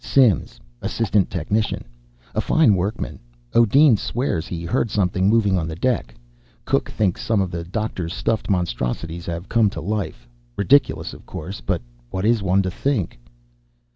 Simms, assistant technician. A fine workman. O'Deen swears he heard something moving on the deck. Cook thinks some of the doctor's stuffed monstrosities have come to life. Ridiculous, of course. But what is one to think?"